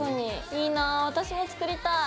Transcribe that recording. いいな私も作りたい。